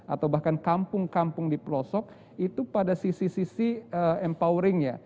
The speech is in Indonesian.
atau bahkan kampung kampung di pelosok itu pada sisi sisi empoweringnya